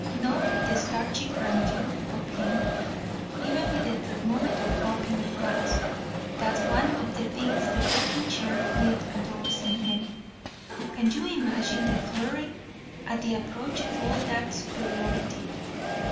Note the starchy grandeur of him, even with the thermometer up in the clouds. That's one of the things the rocking chair fleet adores in him. Can you imagine the flurry at the approach of all that superiority?